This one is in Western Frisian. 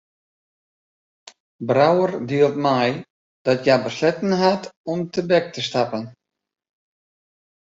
Brouwer dielt mei dat hja besletten hat om tebek te stappen.